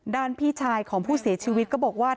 พี่ชายของผู้เสียชีวิตก็บอกว่า